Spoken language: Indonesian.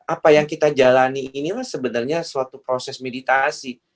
apa yang kita jalani inilah sebenarnya suatu proses meditasi